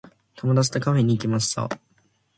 友達とカフェに行きました。